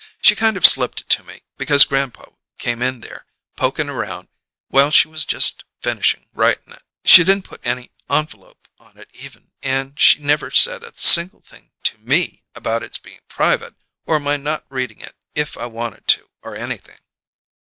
She kind of slipped it to me, because grandpa came in there, pokin' around, while she was just finishin' writin' it. She didn't put any envelope on it even, and she never said a single thing to me about its bein' private or my not readin' it if I wanted to, or anything."